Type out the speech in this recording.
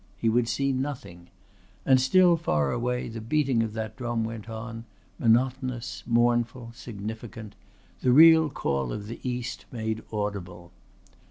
He would see nothing. And still far away the beating of that drum went on monotonous, mournful, significant the real call of the East made audible.